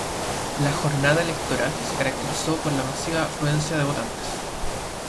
La jornada electoral se caracterizó por la masiva afluencia de votantes.